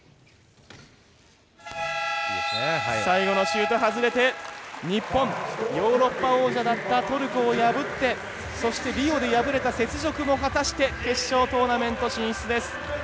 最後のシュート外れて日本、ヨーロッパ王者だったトルコを破ってそして、リオで敗れた雪辱も果たして決勝トーナメント進出です。